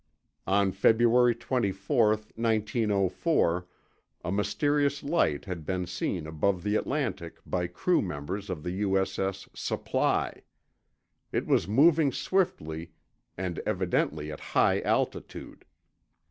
On February 24, 1904, a mysterious light had been seen above the Atlantic by crew members of the U.S.S. Supply. It was moving swiftly, and evidently at high altitude.